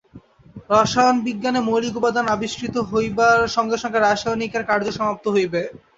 রসায়ন-বিজ্ঞানে মৌলিক উপাদান আবিষ্কৃত হইবার সঙ্গে সঙ্গে রাসায়নিকের কার্য সমাপ্ত হইবে।